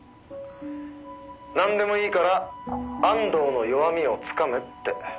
「なんでもいいから安藤の弱みをつかめって」